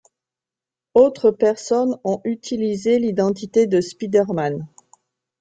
Autres personnes ont utilisé l'identité de Spider-Man.